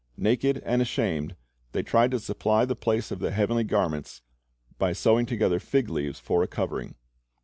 Naked and ashamed, they tried to supply the place of the heavenly garments by sewing together fig letives for a covering.